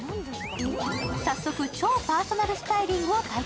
早速、超パーソナルスタイリングを体験。